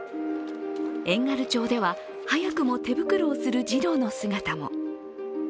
遠軽町では、早くも手袋をする児童の姿も。